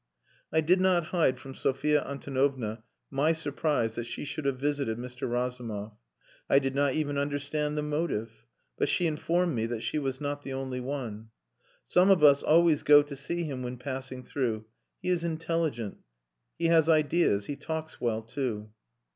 I did not hide from Sophia Antonovna my surprise that she should have visited Mr. Razumov. I did not even understand the motive. But she informed me that she was not the only one. "Some of us always go to see him when passing through. He is intelligent. He has ideas.... He talks well, too."